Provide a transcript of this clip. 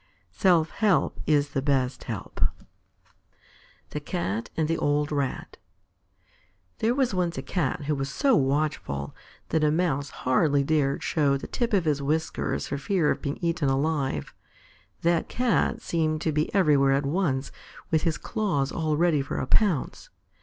Self help is the best help. THE CAT AND THE OLD RAT There was once a Cat who was so watchful, that a Mouse hardly dared show the tip of his whiskers for fear of being eaten alive. That Cat seemed to be everywhere at once with his claws all ready for a pounce.